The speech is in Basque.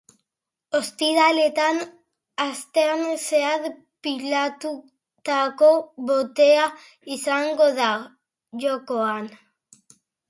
Ostiraletan, astean zehar pilatutako botea izango da jokoan.